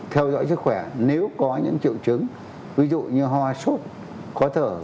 theo dõi sức khỏe nếu có những triệu chứng ví dụ như ho sốt khó thở